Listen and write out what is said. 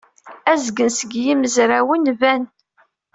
Azgen seg yimezrawen ban.